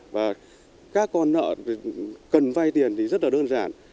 và các con nợ cần vay tiền thì rất là đơn giản